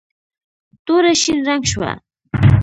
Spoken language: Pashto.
توره شین رنګ شوه.